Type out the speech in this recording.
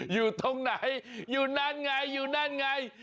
อยู่ตรงไหนอยู่นั่นไงอยู่นั่นไง